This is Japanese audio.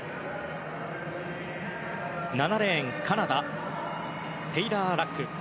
７レーン、カナダテイラー・ラック。